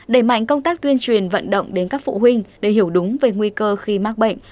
đẩy mạnh công tác tuyên truyền vận động đến các phụ huynh để hiểu đúng về nguy cơ khi mắc bệnh